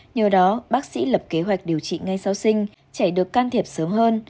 nhờ đó bác sĩ lập kế hoạch điều trị ngay sau sinh trẻ được can thiệp sớm hơn